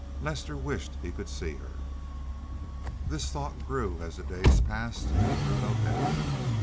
Lester wished he could see her. This thought grew as the days passed and he grew no better.